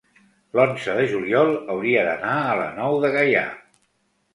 l'onze de juliol hauria d'anar a la Nou de Gaià.